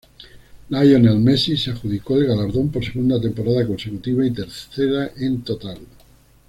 Lionel Messi se adjudicó el galardón por segunda temporada consecutiva y tercera en total.